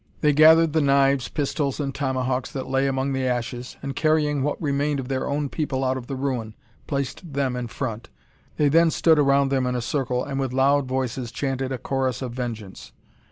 They gathered the knives, pistols, and tomahawks that lay among the ashes; and carrying what remained of their own people out of the ruin, placed them in front. They then stood around them in a circle, and with loud voices chanted a chorus of vengeance.